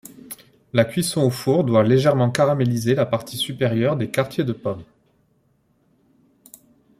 La cuisson au four doit légèrement caraméliser la partie supérieure des quartiers de pomme.